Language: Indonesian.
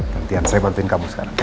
nanti saya bantuin kamu sekarang ya